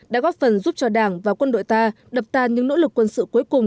đã góp phần giúp cho đảng và quân đội ta đập tàn những nỗ lực quân sự cuối cùng